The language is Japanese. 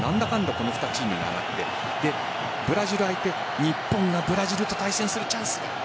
この２チームが上がってブラジル相手に日本がブラジルと対戦するチャンス。